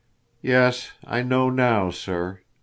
"Yes! I know now, sir.